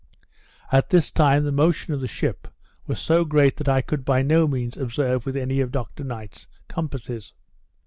At this time the motion of the ship was so great that I could by no means observe with any of Dr Knight's compasses.